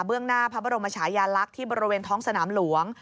หน้าพระบรมชายาลักษณ์ที่บริเวณท้องสนามหลวง